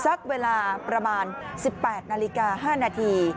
สักเวลาประมาณ๑๘นาฬิกา๕นาที